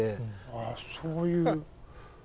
ああそういう。